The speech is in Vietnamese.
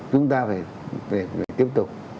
chúng ta phải tiếp tục